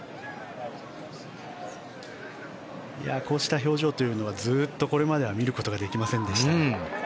こうした表情というのはずっとこれまで見ることができませんでした。